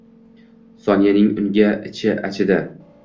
Sonyaning unga ichi achidi